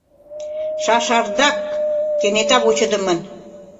Шашардак — кенета, вучыдымын.